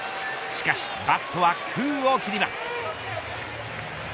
しかしバットは空を切ります。